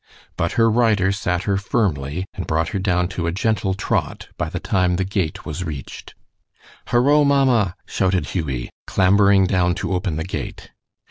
But her rider sat her firmly and brought her down to a gentle trot by the time the gate was reached. "Horo, mamma!" shouted Hughie, clambering down to open the gate.